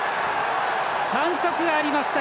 反則がありました。